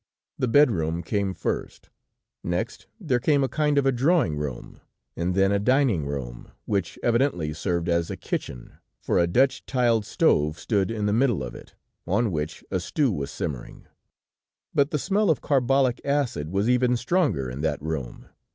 The bedroom, came first; next there came a kind of a drawing room, and then a dining room, which evidently served as a kitchen, for a Dutch tiled stove stood in the middle of it, on which a stew was simmering, but the smell of carbolic acid was even stronger in that room.